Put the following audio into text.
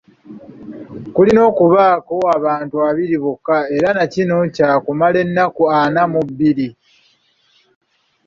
Kulina okubako abantu abiri bokka era na kino kyakumala ennaku ana mu bbiri.